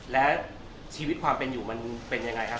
แล้วชีวิตความเป็นอยู่มันเป็นยังไงครับ